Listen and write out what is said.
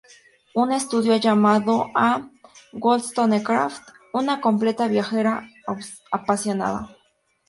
Un estudioso ha llamado a Wollstonecraft "una completa viajera apasionada".